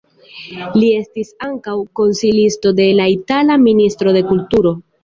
Li estis ankaŭ konsilisto de la itala ministro de kulturo.